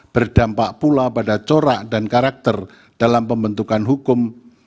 berdampak pula pada corak dan karakter dalam pembentukan hukum